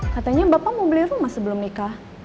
katanya bapak mau beli rumah sebelum nikah